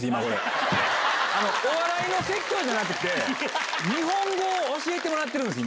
お笑いの説教じゃなくて日本語を教えてもらってるんす。